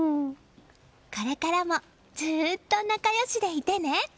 これからもずっと仲良しでいてね！